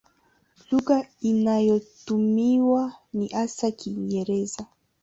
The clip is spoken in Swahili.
Lugha inayotumiwa ni hasa Kiingereza.